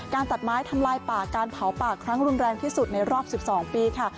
ตัดไม้ทำลายป่าการเผาป่าครั้งรุนแรงที่สุดในรอบ๑๒ปีค่ะ